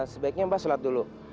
sebaiknya mbak sholat dulu